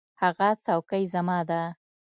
هغه څوکۍ زما ده.